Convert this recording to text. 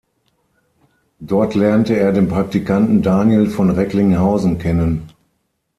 Dort lernte er den Praktikanten Daniel von Recklinghausen kennen.